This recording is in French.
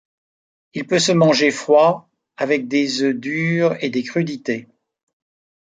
Il peut se manger froid, avec des œufs durs et des crudités.